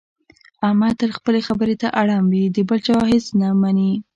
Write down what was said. احمد تل خپلې خبرې ته اړم وي، د بل چا هېڅ نه مني.